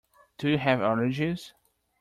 Do you have allergies?